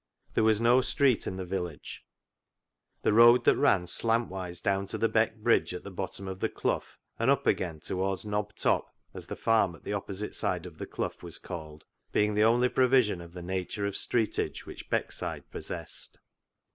There was no street in the village, the road that ran slantwise down to the Beck bridge at the bottom of the clough and up again towards Knob Top, as the farm on the opposite side of the clough was called, being the only provision of the nature of streetage which Beckside possessed.